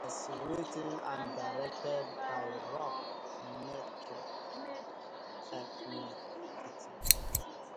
It was written and directed by Rob McKittrick.